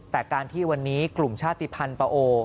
แต่การที่วันนี้กลุ่มชาติภัณฑ์ปะโอ